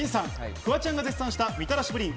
フワちゃんが絶賛した、みたらしぷりん。